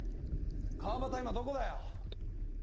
川端は今どこだよ？